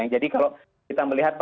jadi kalau kita melihat